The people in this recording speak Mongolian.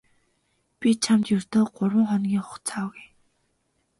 Би чамд ердөө гурав хоногийн хугацаа өгье.